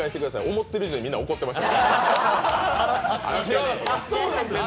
思ってる以上にみんな怒ってました。